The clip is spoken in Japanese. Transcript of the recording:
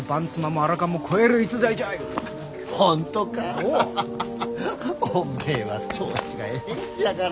おめえは調子がええんじゃから。